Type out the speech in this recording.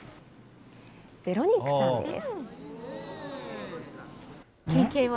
ヴェロニックさんです。